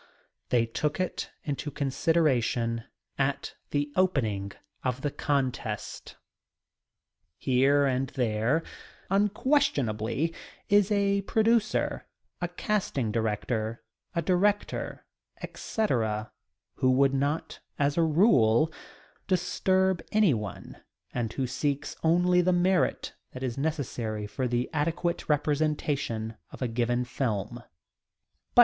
They took it into consideration at the opening of the contest. Here and there, unquestionably, is a producer, a casting director, a director, etc., who would not, as a rule, disturb anyone, and who seeks only the merit that is necessary for the adequate representation of a given film.